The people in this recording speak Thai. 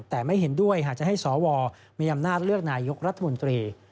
แต่ไม่เห็นด้วยหากจะให้สวมีอำนาจเลือกนายกรัฐมนตรี